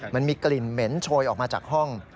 มันมีกลิ่นเหม็นโชยออกมาจากห้อง